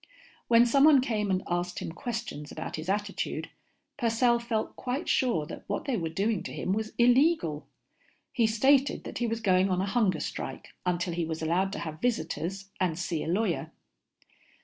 When someone came and asked him questions about his attitude, Purcell felt quite sure that what they were doing to him was illegal. He stated that he was going on a hunger strike until he was allowed to have visitors and see a lawyer.